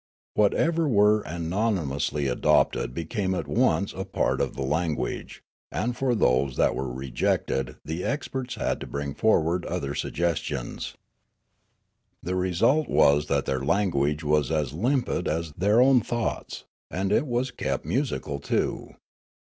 Whatever were unani mously adopted became at once a part of the language ; and for those that were rejected the experts had to bring forward other suggestions. 392 Riallaro The result was that their language was as limpid as their own thoughts ; and it was kept musical too.